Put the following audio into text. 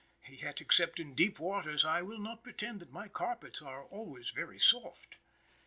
Yet, except in deep waters, I will not pretend that my carpets are always very soft.